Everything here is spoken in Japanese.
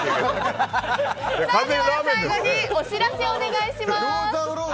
最後にお知らせをお願いします。